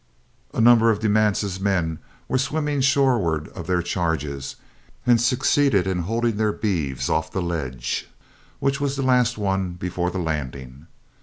A number of De Manse's men were swimming shoreward of their charges, and succeeded in holding their beeves off the ledge, which was the last one before the landing.